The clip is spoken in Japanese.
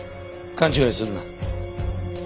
勘違いするな。